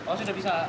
oh sudah bisa